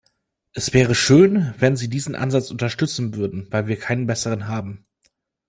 Es wäre schön, wenn Sie diesen Ansatz unterstützen würden, weil wir keinen besseren haben.